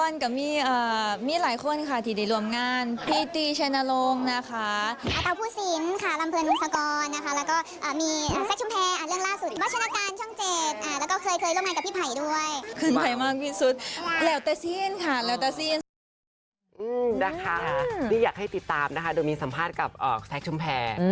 นี่อยากให้ติดตามนะคะโดยมีสัมภาษณ์กับแท็กชุมแพร